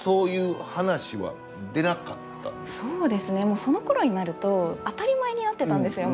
もうそのころになると当たり前になってたんですよ